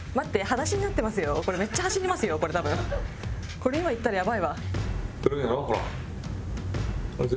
これ今行ったらやばいわ。